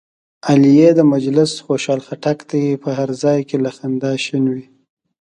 علي د مجلس خوشحال خټک دی، په هر ځای کې له خندا شین وي.